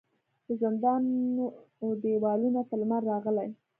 د زندان و دیوالونو ته لمر راغلی